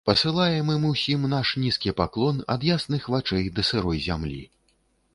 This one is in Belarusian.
Пасылаем ім усім наш нізкі паклон, ад ясных вачэй да сырой зямлі.